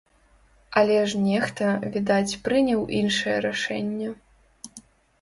Але ж нехта, відаць, прыняў іншае рашэнне.